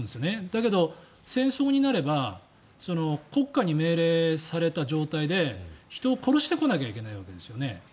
だけど、戦争になれば国家に命令された状態で人を殺してこなきゃいけないわけですよね。